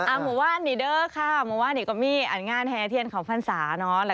อาห์มหวานนี่เด้อค่ะมหวานนี่ก็มีอันงานแฮงเที่ยนความฟันศาเนอะ